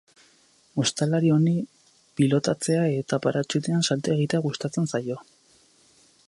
Ostalari honi pilotatzea eta paratxutean salto egitea gustatzen zaio.